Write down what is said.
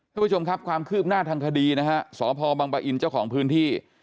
คุณผู้ชมครับความคืบหน้าทางคดีนะฮะสพบังปะอินเจ้าของพื้นที่